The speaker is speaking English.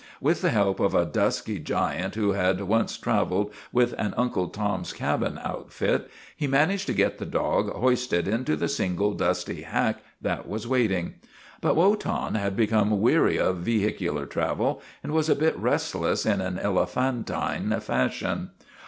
With the help of a dusky giant who had once traveled with an Uncle Tom's Cabin outfit, he managed to get the dog hoisted into the single dusty hack that was waiting. But Wotan had become weary of vehicular travel and was a bit restless in an elephantine fashion.